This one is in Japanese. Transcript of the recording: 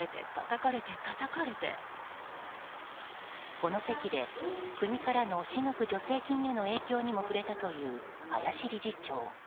この席で国からの私学助成金への影響についても触れたという林理事長。